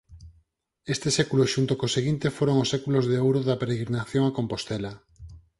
Este século xunto co seguinte foron os séculos de ouro da peregrinación a Compostela